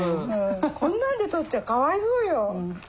こんなんで取っちゃかわいそうよ。